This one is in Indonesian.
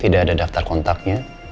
tidak ada daftar kontaknya